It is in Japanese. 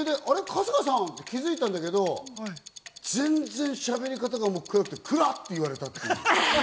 春日さんって気づいたんだけど、全然しゃべり方が暗くて、「暗っ！」て言われた。